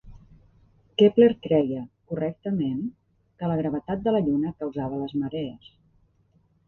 Kepler creia, correctament, que la gravetat de la lluna causava les marees.